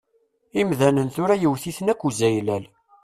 Imdanen tura yewt-iten akk uzaylal.